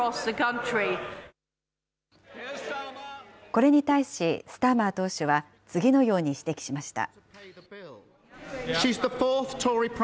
これに対し、スターマー党首は次のように指摘しました。